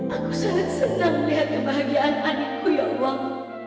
aku sangat senang melihat kebahagiaan adikku ya allah